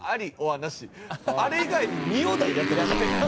あれ以外に２お題やってました。